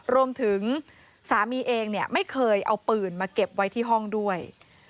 รวมถึงสามีเองไม่เคยเอาปืนมาเก็บไว้ที่ห้องด้วย